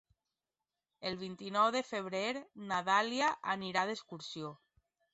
El vint-i-nou de febrer na Dàlia anirà d'excursió.